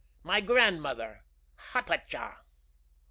"My grandmother, Hatatcha."